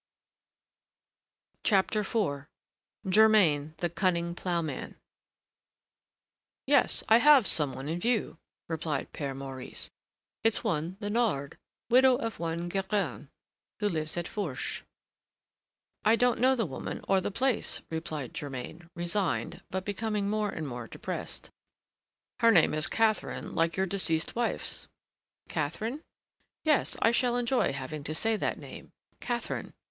IV GERMAIN, THE CUNNING PLOUGHMAN "Yes, I have some one in view," replied Père Maurice. "It's one Léonard, widow of one Guérin, who lives at Fourche." "I don't know the woman or the place," replied Germain, resigned, but becoming more and more depressed. "Her name is Catherine, like your deceased wife's." "Catherine? Yes, I shall enjoy having to say that name: Catherine!